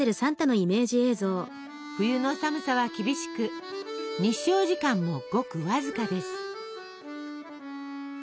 冬の寒さは厳しく日照時間もごくわずかです。